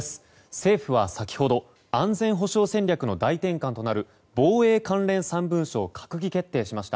政府は先ほど安全保障戦略の大転換となる防衛関連３文書を閣議決定しました。